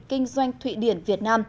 kinh doanh thụy điển việt nam